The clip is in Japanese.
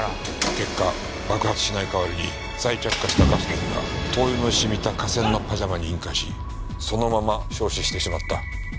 結果爆発しない代わりに再着火したガスの火が灯油の染みた化繊のパジャマに引火しそのまま焼死してしまった。